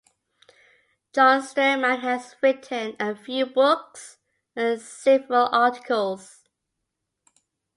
John Sterman has written a few books and several articles.